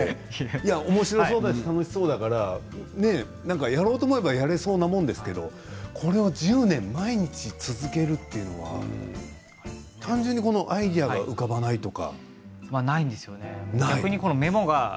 おもしろそうだし楽しそうだけれど、やろうと思ったらやれそうだと思うけれどこれを１０年毎日続けるということは単純にアイデアが浮かばないとか。